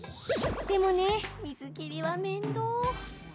でも、水切りは面倒。